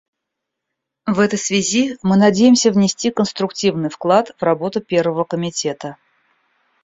В этой связи мы надеемся внести конструктивный вклад в работу Первого комитета.